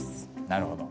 なるほど。